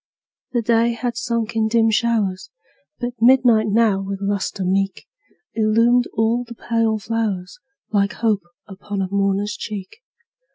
The day had sunk in dim showers, But midnight now, with lustre meet. Illumined all the pale flowers, Like hope upon a mourner's cheek.